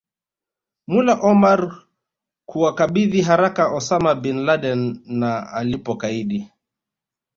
Mullah Omar kuwakabidhi haraka Osama Bin Laden na alipokaidi